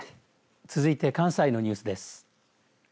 続いて関西のニュースです。